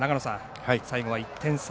最後は１点差。